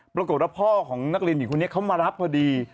ปรากฏว่าพ่อของนักเรียนหญิงคนนี้เขามารับพอดี